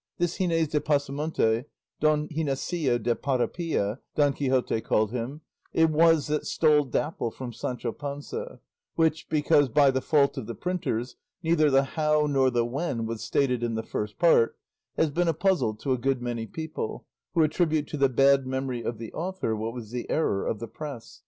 This Gines de Pasamonte Don Ginesillo de Parapilla, Don Quixote called him it was that stole Dapple from Sancho Panza; which, because by the fault of the printers neither the how nor the when was stated in the First Part, has been a puzzle to a good many people, who attribute to the bad memory of the author what was the error of the press.